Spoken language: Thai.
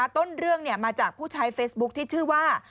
ต้นเรื่องมาจากผู้ใช้เฟซบุ๊คที่ชื่อว่า